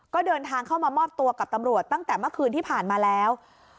ก็เดินทางเข้ามามอบตัวกับตำรวจตั้งแต่เมื่อคืนที่ผ่านมาแล้ว